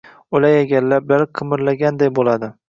O’lay agar, lablari qimirlaganday bo‘ladi.